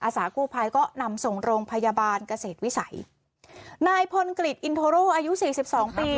สากู้ภัยก็นำส่งโรงพยาบาลเกษตรวิสัยนายพลกฤษอินโทโร่อายุสี่สิบสองปี